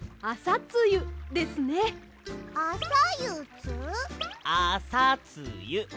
あさつゆ。